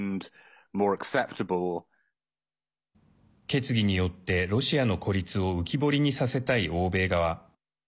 決議によって、ロシアの孤立を浮き彫りにさせたい欧米側。